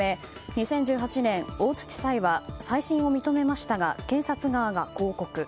２０１８年大津地裁は再審を認めましたが検察側が抗告。